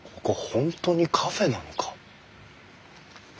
本当にカフェなのか？